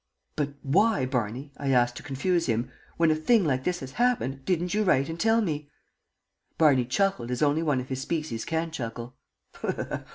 "But why, Barney," I asked, to confuse him, "when a thing like this happened, didn't you write and tell me?" Barney chuckled as only one of his species can chuckle.